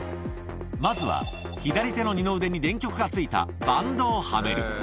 まずは左手の二の腕に電極がついたバンドをはめる。